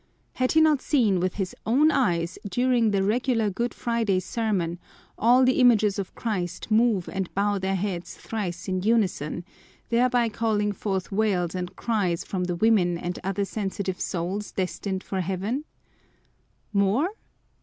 Had he not seen with his own eyes, during the regular Good Friday sermon, all the images of Christ move and bow their heads thrice in unison, thereby calling forth wails and cries from the women and other sensitive souls destined for Heaven? More?